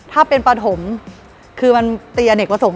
ถ้าเป็นปฐมคือมันตีอเนกประสงค์